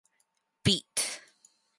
Beat!